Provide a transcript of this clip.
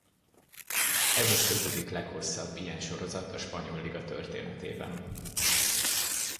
Ez az ötödik leghosszabb ilyen sorozat a spanyol liga történetében.